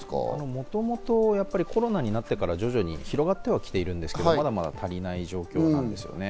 もともとコロナになってから、徐々に広がっては来ているんですけど、まだまだ足りない状況なんですよね。